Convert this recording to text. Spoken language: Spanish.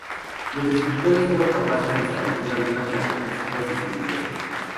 Los descriptores fueron capaces de establecer algunas características distintivas.